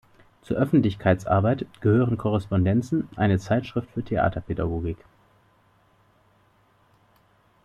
Zur Öffentlichkeitsarbeit gehört "Korrespondenzen", eine Zeitschrift für Theaterpädagogik.